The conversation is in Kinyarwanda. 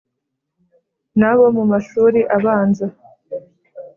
nabo mu mashuri abanza,